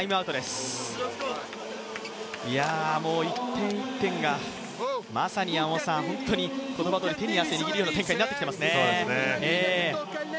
１点１点がまさに、本当にこのバトル手に汗握るような展開になっていますね。